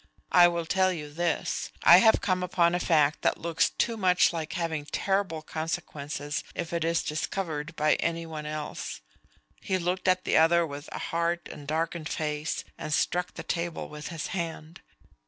I will tell you this: I have come upon a fact that looks too much like having terrible consequences if it is discovered by any one else." He looked at the other with a hard and darkened face, and struck the table with his hand.